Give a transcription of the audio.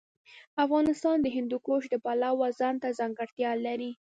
افغانستان د هندوکش د پلوه ځانته ځانګړتیا لري.